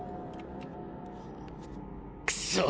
クソッ！